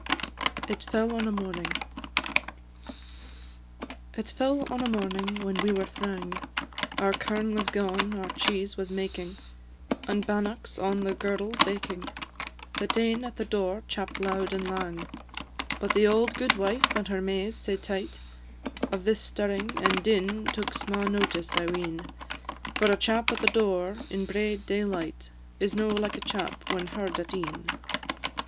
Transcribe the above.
IT FELL ON A MORNING. It fell on a morning when we were thrang Our kirn was gaun, our cheese was making, And bannocks on the girdle baking That ane at the door chapp'd loud and lang; But the auld gudewife, and her Mays sae tight, Of this stirring and din took sma' notice, I ween; For a chap at the door in braid daylight Is no like a chap when heard at e'en.